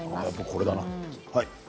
これだな。